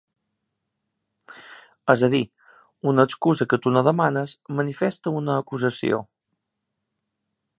És a dir, una excusa que tu no demanes manifesta una acusació.